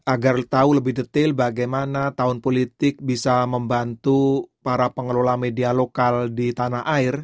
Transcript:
agar tahu lebih detail bagaimana tahun politik bisa membantu para pengelola media lokal di tanah air